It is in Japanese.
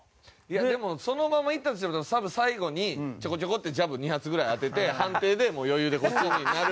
でもそのままいったとしても多分最後にちょこちょこってジャブ２発ぐらい当てて判定でもう余裕でこっちになる。